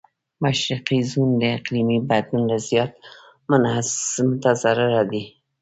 مشرقي زون اقليمي بدلون نه زيات متضرره دی.